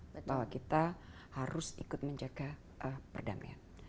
bahwa kita harus ikut menjaga perdamaian